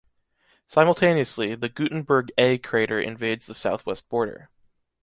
Simultaneously, the “Gutenberg A” crater invades the Southwest border.